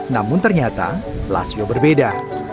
namun ternyata lasio berbeda